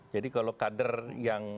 jadi kalau kader yang